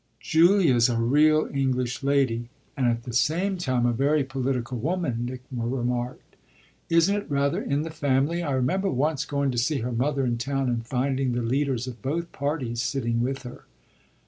"Julia's a real English lady and at the same time a very political woman," Nick remarked. "Isn't it rather in the family? I remember once going to see her mother in town and finding the leaders of both parties sitting with her."